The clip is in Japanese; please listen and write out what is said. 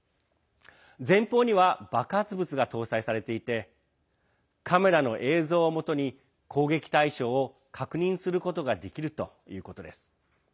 前方には爆発物が搭載されていてカメラの映像をもとに攻撃対象を確認することができるということです。